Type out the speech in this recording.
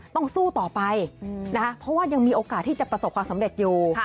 ต้องสู้ต่อไปนะคะเพราะว่ายังมีโอกาสที่จะประสบความสำเร็จอยู่